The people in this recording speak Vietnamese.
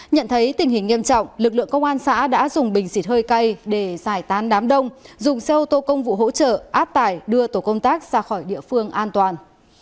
nhận thấy tình hình nghiêm trọng lực lượng công an xã đã dùng bình xịt hơi cay để giải tán đám đông dùng xe ô tô công vụ hỗ trợ áp tải đưa tổ công tác ra khỏi địa phương an toàn